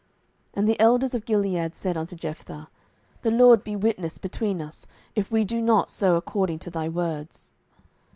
07:011:010 And the elders of Gilead said unto Jephthah, The LORD be witness between us, if we do not so according to thy words.